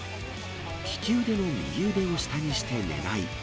利き腕の右腕を下にして寝ない。